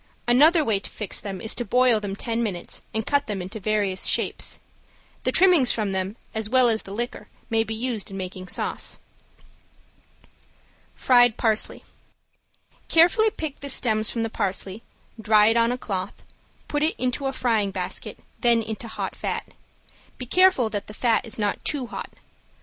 Another way to fix them is to boil them ten minutes and cut them into various shapes. The trimmings from them as well as the liquor may be used in making sauce. ~FRIED PARSLEY~ Carefully pick the stems from the parsley, dry it on a cloth, put into a frying basket, then into hot fat. Be careful that the fat is not too hot.